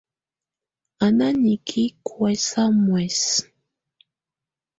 Á na niki kuɛsa muɛsɛ.